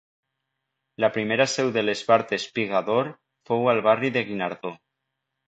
La primera seu de l’Esbart Espiga d'Or fou al barri del Guinardó.